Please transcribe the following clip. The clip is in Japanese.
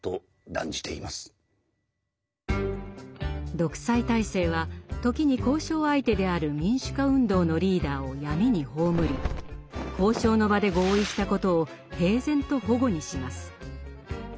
独裁体制は時に交渉相手である民主化運動のリーダーを闇に葬り交渉の場で合意したことを平然と反故にします。